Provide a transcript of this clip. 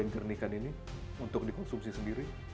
bang ben jernihkan ini untuk dikonsumsi sendiri